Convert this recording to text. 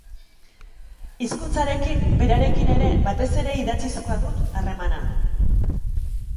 Hizkuntzarekin berarekin ere, batez ere idatzizkoa dut harremana.